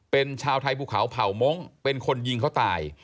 เป็นชาวไทยภูเขาเผ่ามงค์เป็นคนยิงเขาตาย